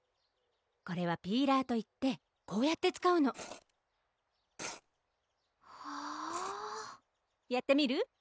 これはピーラーといってこうやって使うのやってみる？